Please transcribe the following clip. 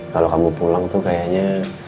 kalau kamu pulang tuh kayaknya